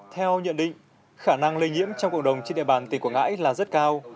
theo nhận định khả năng lây nhiễm trong cộng đồng trên địa bàn tỉnh quảng ngãi là rất cao